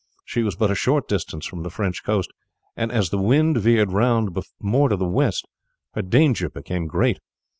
She was but a short distance from the French coast, and as the wind veered round more to the west her danger became great.